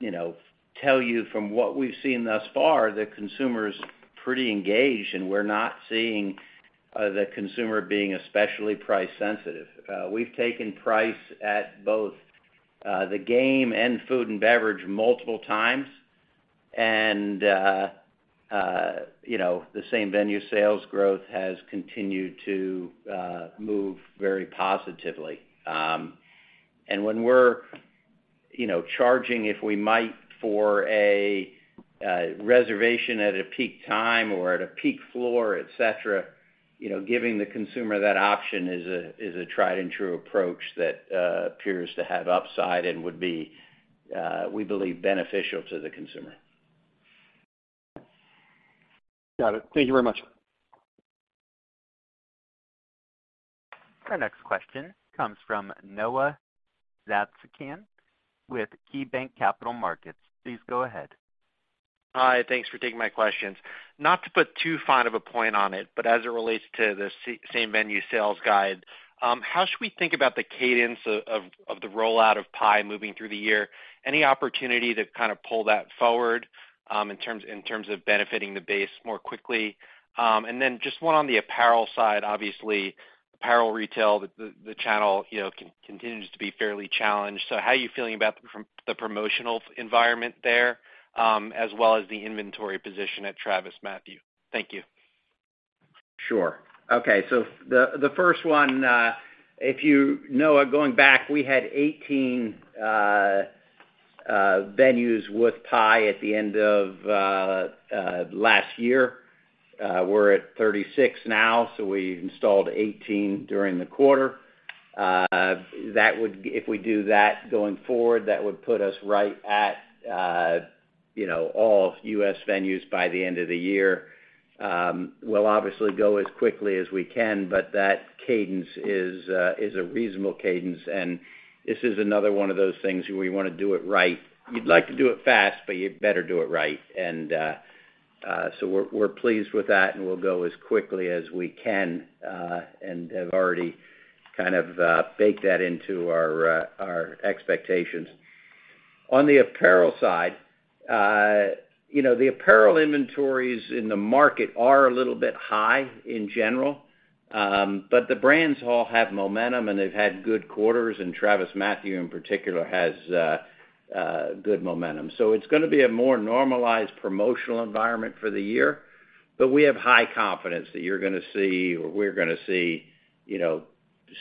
you know, tell you from what we've seen thus far, the consumer's pretty engaged, and we're not seeing the consumer being especially price sensitive. We've taken price at both the game and food and beverage multiple times, and, you know, the same-venue sales growth has continued to move very positively. When we're, you know, charging, if we might, for a reservation at a peak time or at a peak floor, et cetera, you know, giving the consumer that option is a, is a tried and true approach that appears to have upside and would be, we believe, beneficial to the consumer. Got it. Thank you very much. Our next question comes from Noah Zatzkin with KeyBanc Capital Markets. Please go ahead. Hi. Thanks for taking my questions. Not to put too fine of a point on it, but as it relates to the same-venue sales guide, how should we think about the cadence of the rollout of PIE moving through the year? Any opportunity to kind of pull that forward in terms of benefiting the base more quickly? Then just one on the apparel side, obviously, apparel retail, the channel, you know, continues to be fairly challenged. How are you feeling about the promotional environment there as well as the inventory position at TravisMathew? Thank you. Okay. The first one, Noah, going back, we had 18 venues with PIE at the end of last year. We're at 36 now, so we installed 18 during the quarter. If we do that going forward, that would put us right at, you know, all U.S. venues by the end of the year. We'll obviously go as quickly as we can, but that cadence is a reasonable cadence, and this is another one of those things where you wanna do it right. You'd like to do it fast, but you better do it right. We're pleased with that, and we'll go as quickly as we can, and have already kind of baked that into our expectations. On the apparel side, you know, the apparel inventories in the market are a little bit high in general. The brands all have momentum, and they've had good quarters, and TravisMathew, in particular, has good momentum. It's gonna be a more normalized promotional environment for the year, but we have high confidence that you're gonna see, or we're gonna see, you know,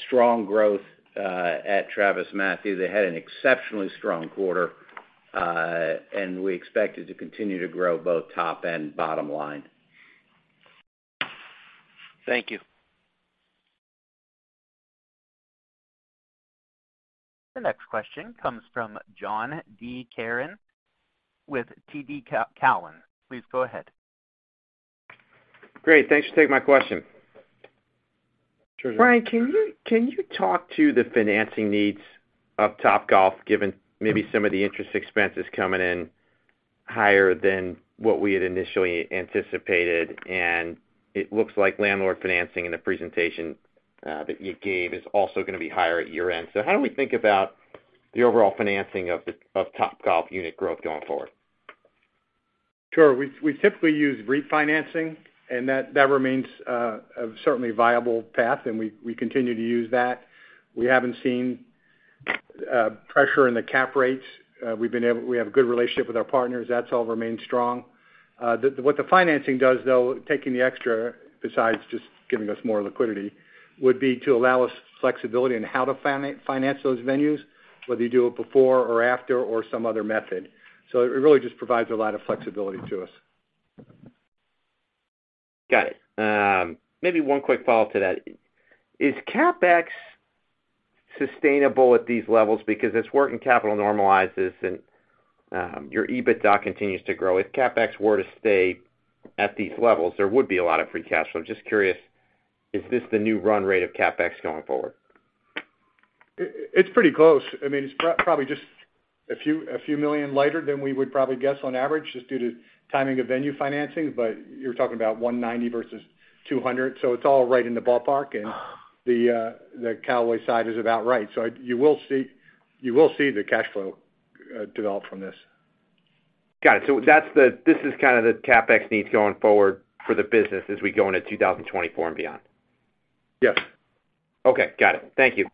strong growth at TravisMathew. They had an exceptionally strong quarter, and we expect it to continue to grow both top and bottom line. Thank you. The next question comes from John D. Kernan with TD Cowen. Please go ahead. Great. Thanks for taking my question. Sure. Brian, can you talk to the financing needs of Topgolf, given maybe some of the interest expenses coming in higher than what we had initially anticipated, and it looks like landlord financing in the presentation, that you gave is also gonna be higher at year-end. How do we think about the overall financing of Topgolf unit growth going forward? Sure. We typically use refinancing. That remains a certainly viable path. We continue to use that. We haven't seen pressure in the cap rates. We have a good relationship with our partners. That's all remained strong. What the financing does though, taking the extra, besides just giving us more liquidity, would be to allow us flexibility in how to finance those venues, whether you do it before or after or some other method. It really just provides a lot of flexibility to us. Got it. Maybe one quick follow-up to that. Is CapEx sustainable at these levels? Because as working capital normalizes and your EBITDA continues to grow, if CapEx were to stay at these levels, there would be a lot of free cash flow. Just curious, is this the new run rate of CapEx going forward? It's pretty close. I mean, it's probably just a few million lighter than we would probably guess on average, just due to timing of venue financing. You're talking about $190 versus $200, so it's all right in the ballpark, and the Callaway side is about right. You will see the cash flow develop from this. Got it. That's this is kind of the CapEx needs going forward for the business as we go into 2024 and beyond. Yes. Okay. Got it. Thank you.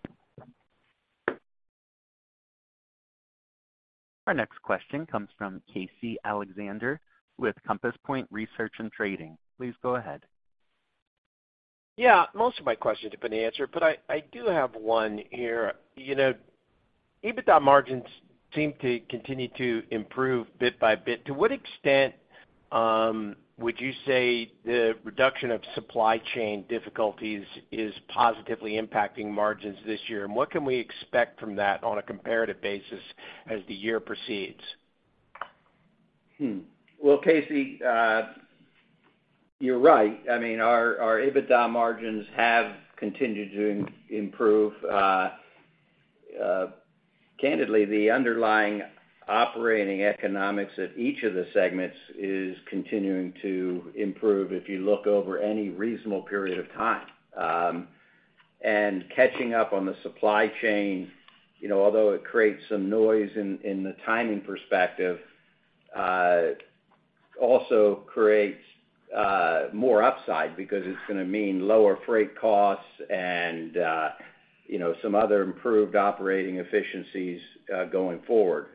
Our next question comes from Casey Alexander with Compass Point Research & Trading. Please go ahead. Yeah. Most of my questions have been answered, but I do have one here. You know, EBITDA margins seem to continue to improve bit by bit. To what extent would you say the reduction of supply chain difficulties is positively impacting margins this year, and what can we expect from that on a comparative basis as the year proceeds? Well, Casey, you're right. I mean, our EBITDA margins have continued to improve. Candidly, the underlying operating economics at each of the segments is continuing to improve if you look over any reasonable period of time. Catching up on the supply chain, you know, although it creates some noise in the timing perspective, also creates more upside because it's gonna mean lower freight costs and, you know, some other improved operating efficiencies going forward.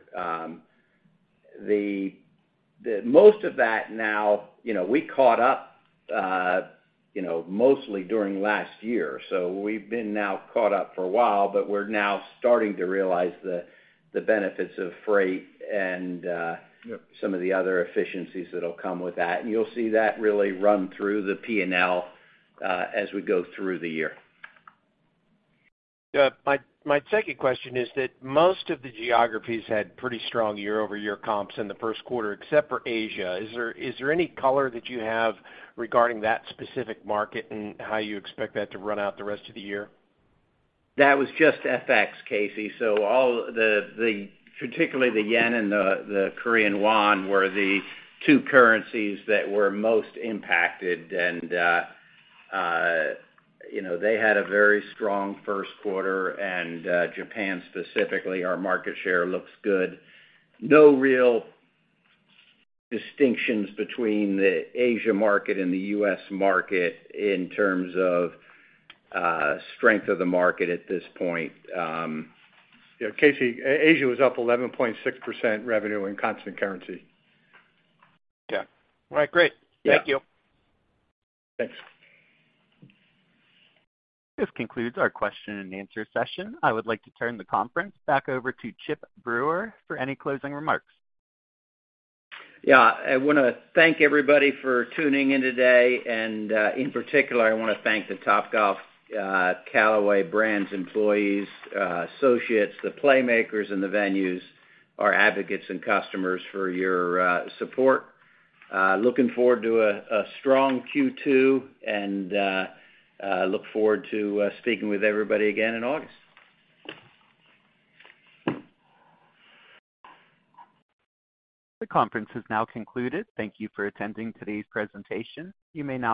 The most of that now, you know, we caught up, you know, mostly during last year. We've been now caught up for a while, but we're now starting to realize the benefits of freight and... some of the other efficiencies that'll come with that. You'll see that really run through the P&L as we go through the year. Yeah. My second question is that most of the geographies had pretty strong year-over-year comps in the first quarter, except for Asia. Is there any color that you have regarding that specific market and how you expect that to run out the rest of the year? That was just FX, Casey. All the, particularly the yen and the Korean won were the two currencies that were most impacted. You know, they had a very strong first quarter, and Japan specifically, our market share looks good. No real distinctions between the Asia market and the US market in terms of strength of the market at this point. Yeah, Casey, Asia was up 11.6% revenue in constant currency. Okay. All right, great. Yeah. Thank you. Thanks. This concludes our question and answer session. I would like to turn the conference back over to Chip Brewer for any closing remarks. Yeah. I wanna thank everybody for tuning in today, and in particular, I wanna thank the Topgolf Callaway Brands employees, associates, the playmakers in the venues, our advocates and customers for your support. Looking forward to a strong Q2 and look forward to speaking with everybody again in August. The conference is now concluded. Thank you for attending today's presentation. You may now.